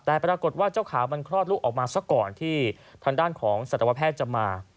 แต่ปรากฏว่าเจ้าขาวมันคลอดลูกออกมาซะก่อนที่ทางด้านของสัตวแพทย์จะมา